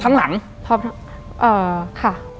พร้อมทั้งหลังค่ะ